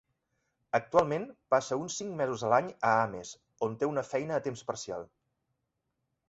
Actualment, passa uns cinc mesos a l'any a Ames, on té una feina a temps parcial.